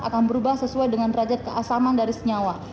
akan berubah sesuai dengan derajat keasaman dari senyawa